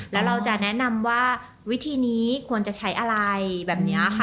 แล้วเราจะแนะนำว่าวิธีนี้ควรจะใช้อะไรแบบนี้ค่ะ